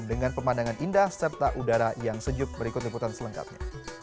dengan pemandangan indah serta udara yang sejuk berikut liputan selengkapnya